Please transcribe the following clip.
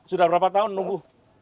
sudah berapa tahun nunggu